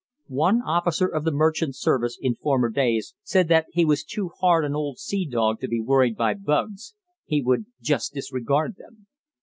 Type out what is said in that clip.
One officer of the merchant service in former days said that he was too hard an old sea dog to be worried by bugs he would just disregard them.